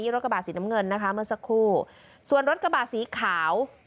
รถกระบะสีน้ำเงินนะคะเมื่อสักครู่ส่วนรถกระบะสีขาว